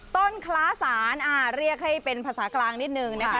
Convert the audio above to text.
คล้าสารเรียกให้เป็นภาษากลางนิดนึงนะคะ